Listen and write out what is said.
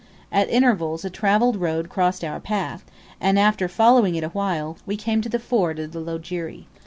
At intervals a travelled road crossed our path, and, after following it a while, we came to the ford of the Loajeri.